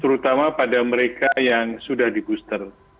terutama pada mereka yang sudah di booster